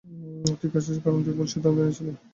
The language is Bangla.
তুই কাঁদছিস কারণ তুই ভুল সিদ্ধান্ত নিয়েছিলি।